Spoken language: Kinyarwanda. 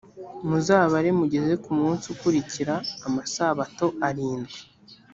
muzabare mugeze ku munsi ukurikira amasabato arindwi